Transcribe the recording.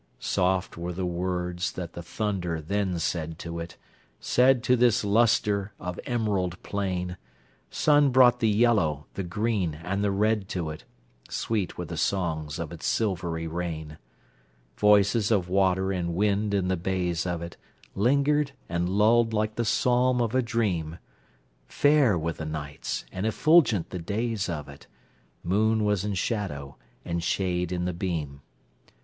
Soft were the words that the thunder then said to it—Said to this lustre of emerald plain; Sun brought the yellow, the green, and the red to it—Sweet were the songs of its silvery rain. Voices of water and wind in the bays of itLingered, and lulled like the psalm of a dream. Fair were the nights and effulgent the days of it—Moon was in shadow and shade in the beam.